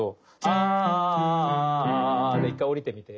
あーで一回下りてみて。